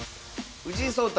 藤井聡太